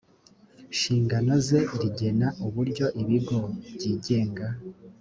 nshingano ze rigena uburyo ibigo byigenga